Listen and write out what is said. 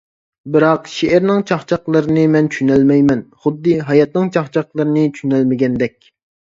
بىراق، شېئىرنىڭ چاقچاقلىرىنى مەن چۈشىنەلمەيمەن، خۇددى ھاياتنىڭ چاقچاقلىرىنى چۈشىنەلمىگەندەك.